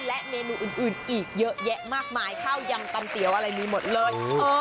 และเมนูอื่นอีกเยอะแยะมากมายข้าวยำตำเตี๋ยวอะไรมีหมดเลย